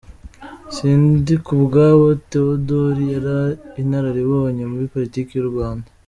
Sindikubwabo Tewodori yari inararibonye muri politiki y’u Rwanda.